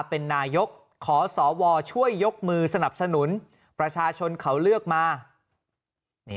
เป็นนายกขอสวช่วยยกมือสนับสนุนประชาชนเขาเลือกมา